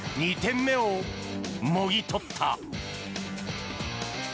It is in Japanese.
２点目をもぎ取った。